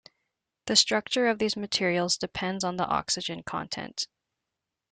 The structure of these materials depends on the oxygen content.